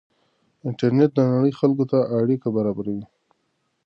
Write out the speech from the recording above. انټرنېټ د نړۍ خلکو ته اړیکه برابروي.